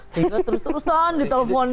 sehingga terus terusan diteleponin